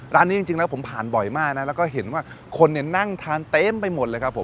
ร้านนี้จริงแล้วผมผ่านบ่อยมากนะแล้วก็เห็นว่าคนเนี่ยนั่งทานเต็มไปหมดเลยครับผม